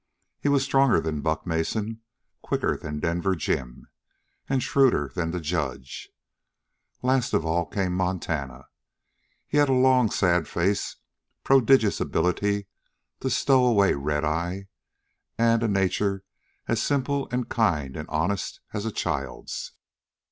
He was stronger than Buck Mason, quicker than Denver Jim, and shrewder than the judge. Last of all came Montana. He had a long, sad face, prodigious ability to stow away redeye, and a nature as simple and kind and honest as a child's.